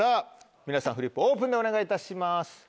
皆さんフリップオープンでお願いいたします。